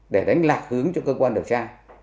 để đánh lạc hướng cho cơ quan điều tra